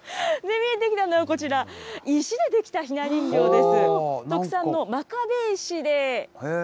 見えてきたのは、石で出来たひな人形です。